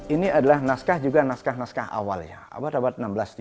ini adalah naskah juga naskah naskah awal ya abad abad enam belas tiga puluh